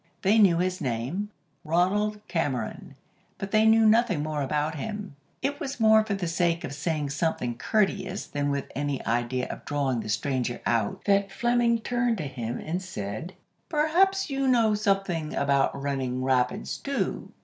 They knew his name; Ronald Cameron, but they knew nothing more about him. It was more for the sake of saying something courteous than with any idea of drawing the stranger out that Fleming turned to him and said, "Perhaps you know something about running rapids too?"